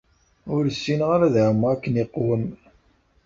Ur ssineɣ ara ad ɛumeɣ akken iqwem.